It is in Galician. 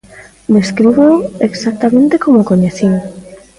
Descríboo exactamente como o coñecín.